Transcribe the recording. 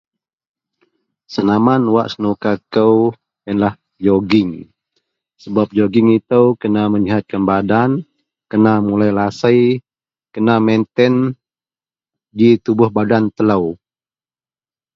senaman wak senuka kou, ienlah jogging, sebab jogging itou kena meyihatkan badan kena megeluer lasei, kena maintain ji tubuh badan telou